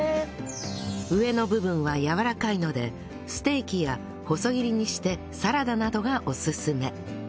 上の部分はやわらかいのでステーキや細切りにしてサラダなどがオススメ